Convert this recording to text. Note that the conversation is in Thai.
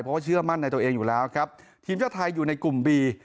เพราะว่าเชื่อมั่นในตัวเองอยู่แล้วครับทีมชาติไทยอยู่ในกลุ่มบี